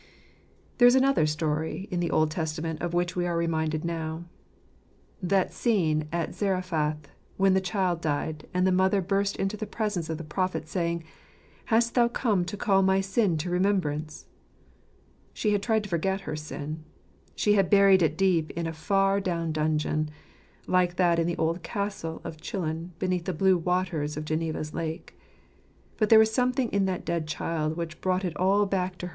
There is another story in the Old Testament of which we are reviindcd now — that scene at Zarephath when the child died, and the mother burst into the presence of the prophet saying, c ' Hast thou come to call my sin to remembrance ?'> She had tried to forget her sin. She had buried it deep in a far down dungeon, like that in the old castle of Chillon beneath the blue waters of Geneva's lake. But there was Something in that dead child which brought it all back to JHemorjr " anti " ftccaUtttton."